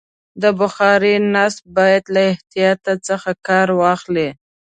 د بخارۍ نصب باید له احتیاطه کار واخلي.